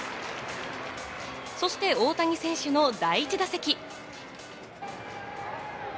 そして大谷選手の第１打席。